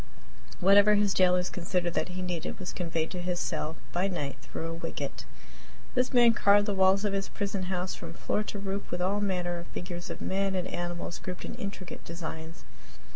Whatever his jailers considered that he needed was conveyed to his cell by night through a wicket. This man carved the walls of his prison house from floor to roof with all manner of figures of men and animals grouped in intricate designs.